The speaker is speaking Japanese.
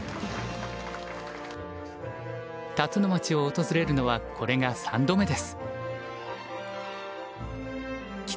辰野町を訪れるのはこれが３度目です。